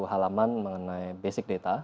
halaman mengenai basic data